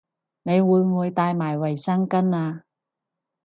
你會唔會帶埋衛生巾吖